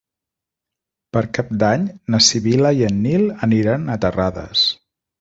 Per Cap d'Any na Sibil·la i en Nil aniran a Terrades.